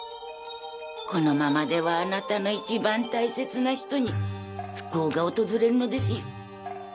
このままではあなたの一番大切な人に不幸が訪れるのですよ。